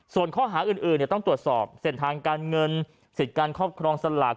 ส่วนข้อหาอื่นต้องตรวจสอบเส้นทางการเงินสิทธิ์การครอบครองสลาก